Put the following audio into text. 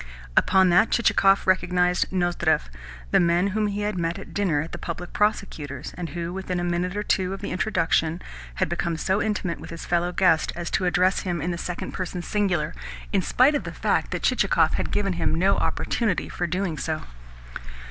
Upon that Chichikov recognised Nozdrev the man whom he had met at dinner at the Public Prosecutor's, and who, within a minute or two of the introduction, had become so intimate with his fellow guest as to address him in the second person singular, in spite of the fact that Chichikov had given him no opportunity for doing so.